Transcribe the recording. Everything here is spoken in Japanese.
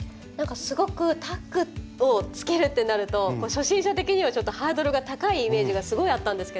すごくタックをつけるってなると初心者的にはちょっとハードルが高いイメージがすごいあったんですけど。